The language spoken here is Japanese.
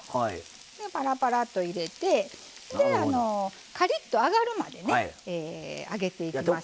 パラパラっと入れてカリッと揚がるまでね揚げていきます。